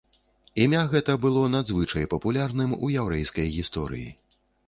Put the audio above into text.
Імя гэта было надзвычай папулярным у яўрэйскай гісторыі.